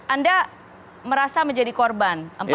anda merasa menjadi korban